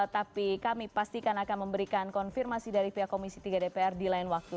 tapi kami pastikan akan memberikan konfirmasi dari pihak komisi tiga dpr di lain waktu